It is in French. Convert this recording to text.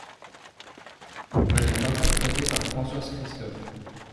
Elle est interprétée par Françoise Christophe.